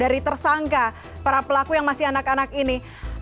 dari tersangka para pelaku yang masih anak anak ini